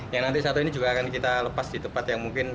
yang nanti satu ini juga akan kita lepas di tempat yang mungkin